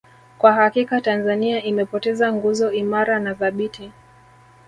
Kwa hakika Tanzania imepoteza nguzo imara na thabiti